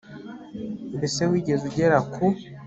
Mbese wigeze ugera ku